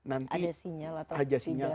ada sinyal atau tidak